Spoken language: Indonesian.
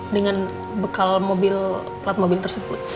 dengan bekal mobil plat mobil tersebut